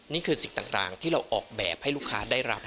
นี่คือสิ่งต่างที่เราออกแบบให้ลูกค้าได้รับ